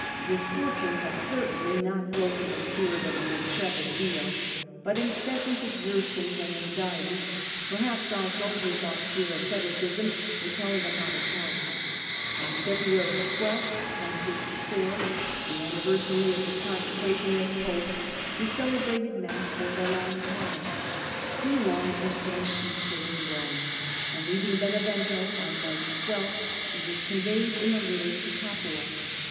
Misfortune had certainly not broken the spirit of the intrepid Leo, but incessant exertions and anxieties. His death, perhaps also his austere asceticism, were tell 1054 ' ing upon his health. On February 12, 1054, the anniversary of his consecration as pope, he celebrated Mass for the last time ; he longed to spend Easter in Rome, and, leaving Benevento on March 12, he was con veyed in a litter to Capua.